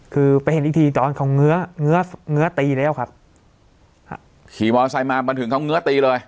คือไปเห็นอีกทีตอนเขาเงื้อเงื้อเงื้อตีแล้วครับขี่มอไซค์มามาถึงเขาเงื้อตีเลย